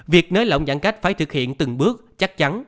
việc nới lỏng giãn cách phải thực hiện từng bước chắc chắn